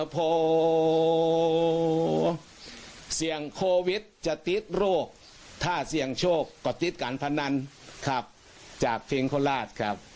พอเสี่ยงโควิดจะติดโรคถ้าเสี่ยงโชคก็ติดการพนันขับจากเพียงโคราชครับ